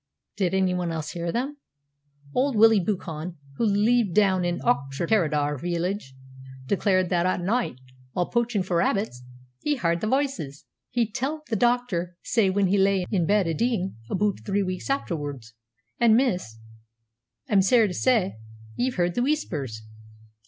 "Did anyone else hear them?" "Auld Willie Buchan, wha lived doon in Auchterarder village, declared that ae nicht, while poachin' for rabbits, he h'ard the voices. He telt the doctor sae when he lay in bed a deein' aboot three weeks aifterwards. Ay, miss, I'm sair sorry ye've h'ard the Whispers."